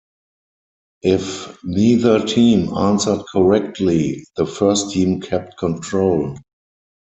If neither team answered correctly, the first team kept control.